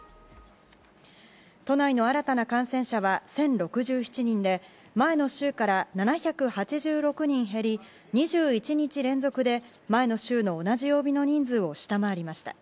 都内の新たな感染者は１０６７人で前の週から７８６人減り２１日連続で前の週の同じ曜日の人数を下回りました。